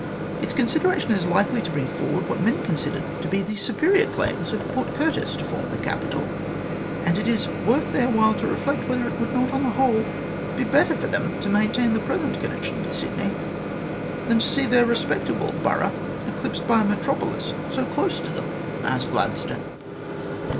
Its consideration is likely to bring forward what many consider to be the superior claims of Port Curtis to form the capital, and it is worth their while to reflect whether it would not, on the whole, be better for them to maintain the present connection with Sydney than to see their respectable borough eclipsed by a metropolis so close to them as Gladstone."